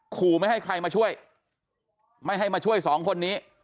ขู่ไม่ให้ใครมาช่วยไม่ให้มาช่วยสองคนนี้